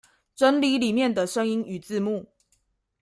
整理裡面的聲音與字幕